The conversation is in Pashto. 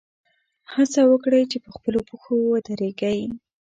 هڅه وکړئ چې په خپلو پښو ودرېږئ.